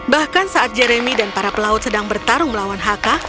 bahkan saat jeremy dan para pelaut sedang bertarung melawan haka